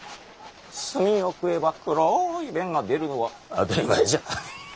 炭を食えば黒い便が出るのは当たり前じゃ。